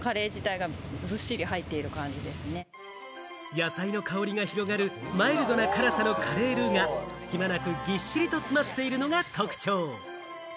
野菜の香りが広がるマイルドな辛さのカレールーが隙間なくぎっしりと詰まっているのが特徴。